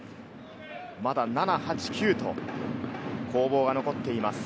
まだ７・８・９と攻防が残っています。